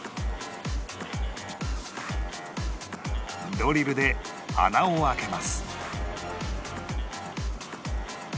ドリルで穴を開けます